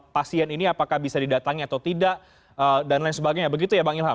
pasien ini apakah bisa didatangi atau tidak dan lain sebagainya begitu ya bang ilham